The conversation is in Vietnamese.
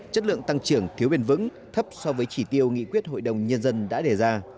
chất lượng tăng trưởng thiếu bền vững thấp so với chỉ tiêu nghị quyết hội đồng nhân dân đã đề ra